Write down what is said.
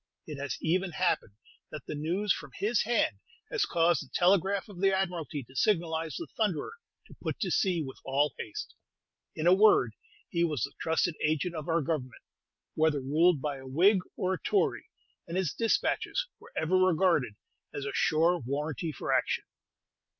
It has even happened that the news from his hand has caused the telegraph of the Admiralty to signalize the "Thunderer" to put to sea with all haste. In a word, he was the trusted agent of our Government, whether ruled by a Whig or a Tory, and his despatches were ever regarded as a sure warranty for action.